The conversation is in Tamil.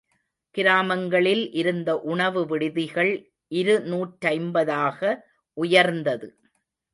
கிராமங்களில் இருந்த உணவு விடுதிகள் இரு நூற்றைம்பதாக உயர்ந்தது.